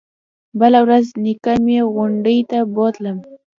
بله ورځ نيكه مې غونډۍ ته بوتلم.